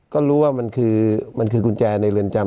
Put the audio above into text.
ก็รู้ว่ามันคือกุญแจในเรือนจำ